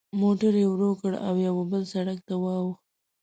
موټر یې ورو کړ او یوه بل سړک ته واوښت.